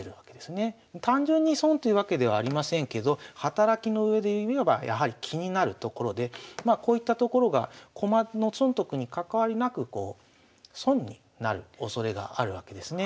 単純に損というわけではありませんけど働きのうえでいえばやはり気になるところでこういったところが駒の損得に関わりなく損になるおそれがあるわけですね。